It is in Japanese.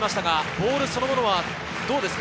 ボールそのものはどうですか？